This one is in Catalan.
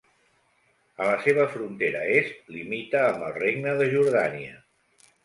A la seva frontera est limita amb el Regne de Jordània.